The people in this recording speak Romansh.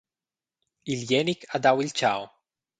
Il Jenik ha dau il tgau.